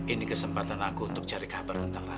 ini kesempatan ku untuk cari kabar tentang cao